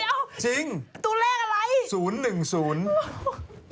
อ้าวเดี๋ยวจริงตัวเลขอะไร